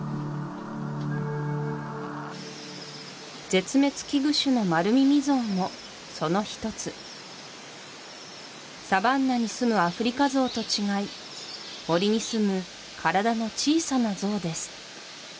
絶滅危惧種のマルミミゾウもその一つサバンナにすむアフリカゾウと違い森にすむ体の小さなゾウです